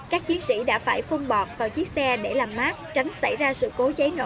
các chiến sĩ đã phải phun bọt vào chiếc xe để làm mát tránh xảy ra sự cố cháy nổ